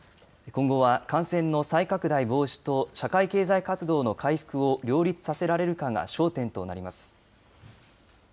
今後は感染の再拡大防止と社会経済活動の回復を両立させられるかが焦点となります。